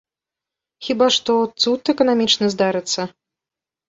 Хіба што, цуд эканамічны здарыцца.